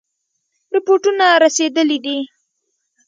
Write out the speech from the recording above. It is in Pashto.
رپوټونه رسېدلي دي.